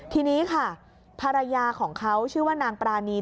ทีนี้ค่ะภรรยาของเขาชื่อว่านางปรานี